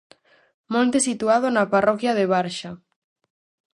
Monte situado na parroquia de Barxa.